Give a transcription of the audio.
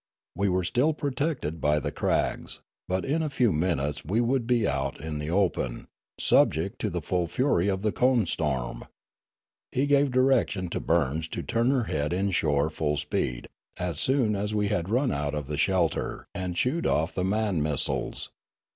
We were still protected by the crags ; but in a few minutes we would be out in the open, subject to the full fury of the cone storm. He gave direction to Burns to turn her head inshore full speed as soon as we had run out of the shelter, and shoot off the man missiles.